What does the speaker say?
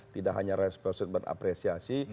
tidak hanya respon dan apresiasi